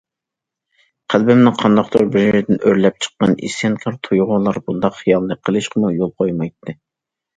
قەلبىمنىڭ قانداقتۇر بىر يېرىدىن ئۆرلەپ چىققان ئىسيانكار تۇيغۇلار بۇنداق خىيالنى قىلىشقىمۇ يول قويمايتتى.